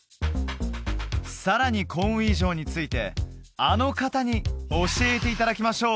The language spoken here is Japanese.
さらにコンウィ城についてあの方に教えていただきましょう